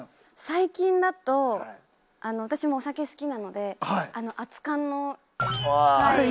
最近だと私もお酒好きなので熱燗の回。